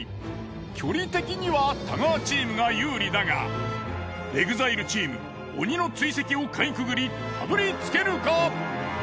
距離的には太川チームが有利だがＥＸＩＬＥチーム鬼の追跡をかいくぐりたどり着けるか？